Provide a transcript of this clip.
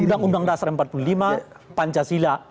undang undang dasar empat puluh lima pancasila